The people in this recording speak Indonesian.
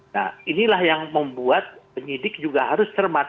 nah inilah yang membuat penyidik juga harus cermat